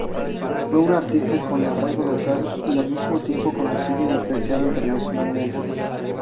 Fue un artista con arraigo local y al mismo tiempo conocido y apreciado internacionalmente.